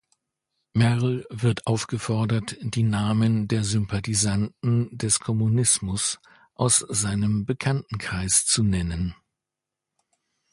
Merrill wird aufgefordert, die Namen der Sympathisanten des Kommunismus aus seinem Bekanntenkreis zu nennen.